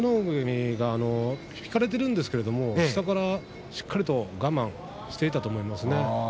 海が引かれているんですけど下からしっかりと我慢していたと思いますね。